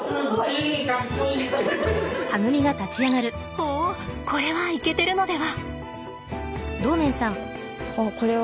おっこれはいけてるのでは？